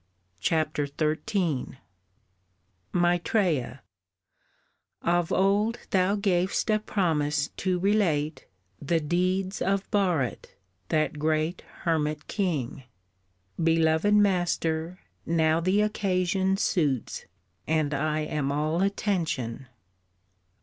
Chap. XIII._ MAITREYA. Of old thou gav'st a promise to relate The deeds of Bharat, that great hermit king: Beloved Master, now the occasion suits, And I am all attention.